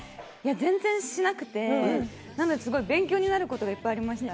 全然しなくて、勉強になることが、いっぱいありました。